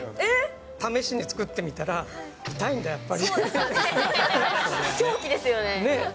試しに作ってみたら痛いんだそうですよね。